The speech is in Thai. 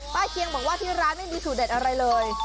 เคียงบอกว่าที่ร้านไม่มีสูตรเด็ดอะไรเลย